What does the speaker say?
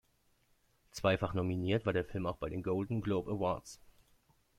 Zweifach nominiert war der Film auch bei den Golden Globe Awards.